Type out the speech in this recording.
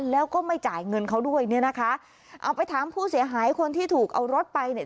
แล้วก็ไม่จ่ายเงินเขาด้วยเนี่ยนะคะเอาไปถามผู้เสียหายคนที่ถูกเอารถไปเนี่ย